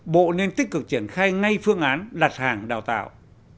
bộ nên tích cực triển khai ngay phương án đặt hàng đào tạo